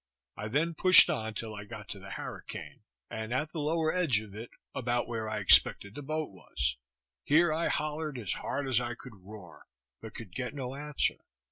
I then pushed on till I got to the harricane, and at the lower edge of it, about where I expected the boat was. Here I hollered as hard as I could roar, but could get no answer.